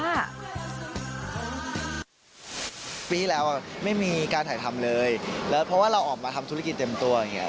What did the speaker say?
ปีที่แล้วไม่มีการถ่ายทำเลยแล้วเพราะว่าเราออกมาทำธุรกิจเต็มตัวอย่างเงี้